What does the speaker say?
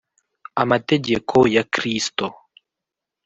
amategeko ya Kristo